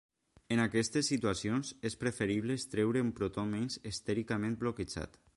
En aquestes situacions, és preferible extreure un protó menys estèricament bloquejat.